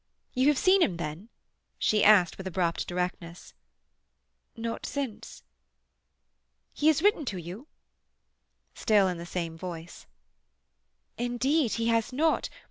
"You have seen him then?" she asked with abrupt directness. "Not since." "He has written to you?"—still in the same voice. "Indeed he has not. Mr.